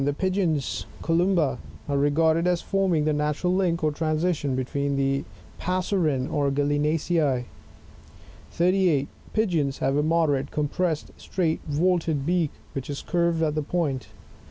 The Pigeons, — Columba, — are regarded as forming the natural link or transition between the Passerinae and Gallinaceae^ 38. Pigeons have a moderate, compressed, straight, vaulted beak, which is curved at the point, (Plate 5, fig, 4.